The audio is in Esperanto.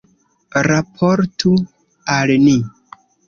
Raportu al ni.